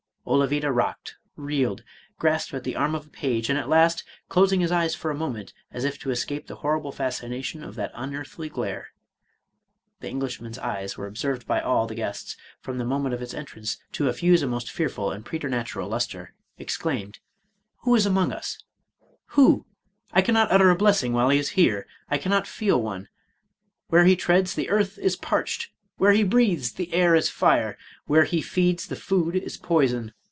Olavida rocked, reeled, grasped the arm of a page, and at last, closing his eyes for a moment, as if to escape the horrible fascination of that unearthly glare (the Englishman's eyes were observed by all the guests, from the moment of his entrance, to effuse a most fearful and preternatural luster), exclaimed, "Who is among 176 Charles Robert Maturin us ?— Who ?— I cannot utter a blessing while he is here. I cannot feel one. Where he treads, the earth is parched I — Where he breathes, the air is fire! — ^Where he feeds, the food is poison!